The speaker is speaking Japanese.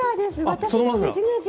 私のねじねじ！